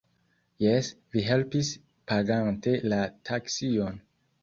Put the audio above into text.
Jes, vi helpis pagante la taksion